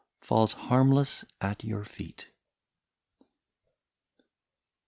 Falls harmless at your feet.